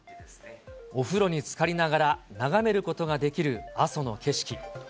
お風呂につかりながら、眺めることができる阿蘇の景色。